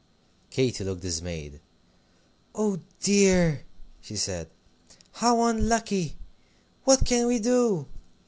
Katy looked dismayed. "Oh dear!" she said, "how unlucky. What can we do?"